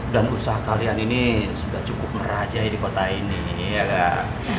dan usaha kalian ini sudah cukup ngerajai di kota ini iya gak